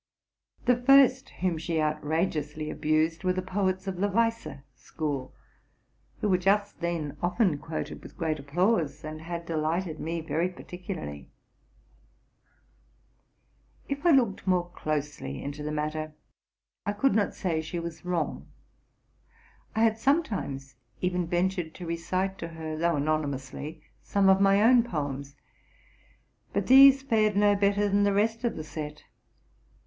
The first whom she outr: iweously abused were the poets of the Weisse school, who were just then often quoted with great applause, and had delighted me very particularly. If I looked more closely into the matter, I could not say she was wrong. I had sometimes even yen tured to recite to her, though anonymously, some of my own poems; but these fared no better than the rest of the set.